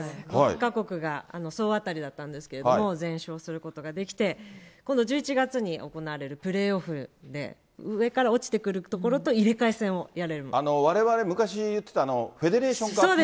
各国が総当たりだったんですけれども、全勝することができて、この１１月に行われるプレーオフで上から落ちてくるところと、入われわれ、昔言ってたフェデレーションカップ。